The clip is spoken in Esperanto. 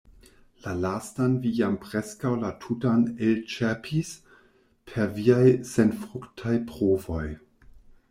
La lastan vi jam preskaŭ la tutan elĉerpis per viaj senfruktaj provoj.